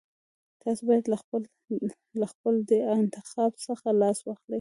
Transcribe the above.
تاسو بايد له خپل دې انتخاب څخه لاس واخلئ.